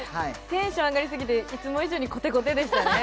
テンション上がりすぎて、いつも以上にコテコテでしたね。